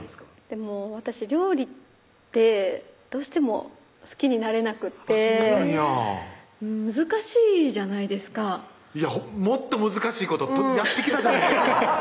でも私料理ってどうしても好きになれなくてそうなんや難しいじゃないですかいやもっと難しいことやってきたじゃないですか